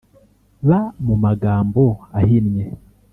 B A mu mgambo ahinnye